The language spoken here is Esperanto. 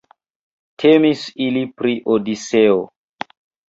Temis ili pri Odiseo.